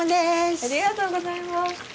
ありがとうございます。